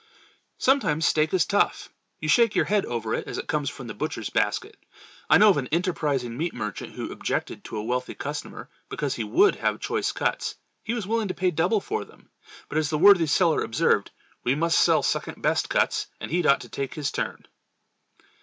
Sometimes steak is tough. You shake your head over it as it comes from the butcher's basket. I know of an enterprising meat merchant who objected to a wealthy customer because he would have choice cuts. He was willing to pay double for them, but as the worthy seller observed: "We must sell second best cuts, and he'd ought to take his turn."